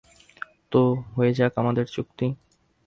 তো, হয়ে যাক আমাদের চুক্তি?